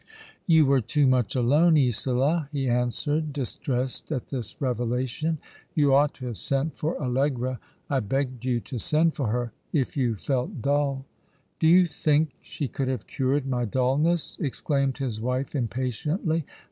*' You were too much alone, Isola," he answered, distressed at this revelation. " You ought to have sent for Allegra. I begged you to send for her, if you felt dull." " Do you think she could have cured my dulness ?" exclaimed his wife, impatiently.